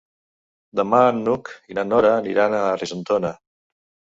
Demà n'Hug i na Nora aniran a Argentona.